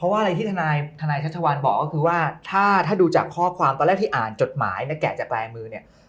ว่าอะไรที่ทนายชัชวัลบอกก็คือว่าถ้าดูจากข้อความตอนแรกที่อ่านจดหมายเนี่ยแกะจากปลายมือเนี่ย